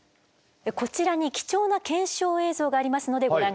こちらに貴重な検証映像がありますのでご覧下さい。